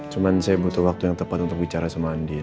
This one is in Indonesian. cuma saya butuh waktu yang tepat untuk bicara sama andin